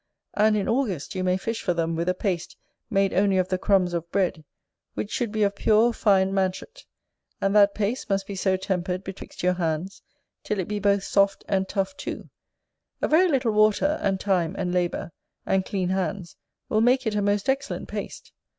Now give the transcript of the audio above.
And in August you may fish for them with a paste made only of the crumbs of bread, which should be of pure fine manchet; and that paste must be so tempered betwixt your hands till it be both soft and tough too: a very little water, and time, and labour, and clean hands, will make it a most excellent paste.